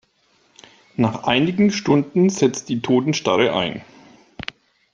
Nach einigen Stunden setzt die Totenstarre ein.